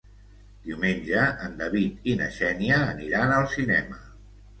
Diumenge en David i na Xènia aniran al cinema.